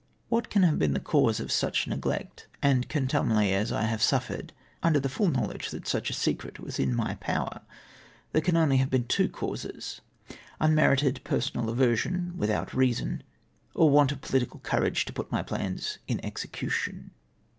'" What can have been the cause of such neglect and contumely as I have suffered, under tlie full knowledge that such a secret was in my power ? There can only have been two causes, — unmerited personal aversion without reason, or want of pohtical courage to put my plans in execution.